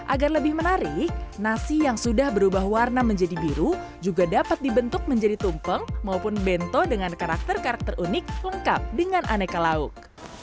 agar lebih menarik nasi yang sudah berubah warna menjadi biru juga dapat dibentuk menjadi tumpeng maupun bento dengan karakter karakter unik lengkap dengan aneka lauk